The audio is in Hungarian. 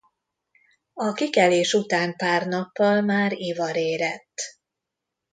A kikelés után pár nappal már ivarérett.